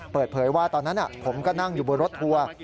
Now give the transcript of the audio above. เปิดเผยว่าตอนนั้นผมก็นั่งอยู่บนรถทัวร์